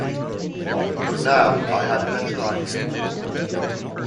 But now I had a better idea.